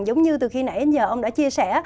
giống như từ khi nãy ông đã chia sẻ